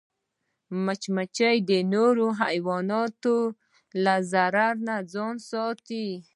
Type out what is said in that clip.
مچمچۍ د نورو حیواناتو له ضرر نه ځان ساتي